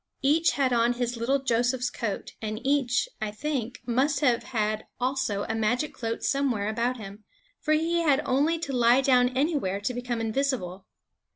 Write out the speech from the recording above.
Each had on his little Joseph's coat ; and each, I think, must have had also a magic cloak somewhere about him; for he had only to lie down anywhere to become invisible.